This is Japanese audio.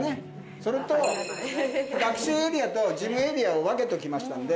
それと学習エリアと事務エリアを分けときましたんで。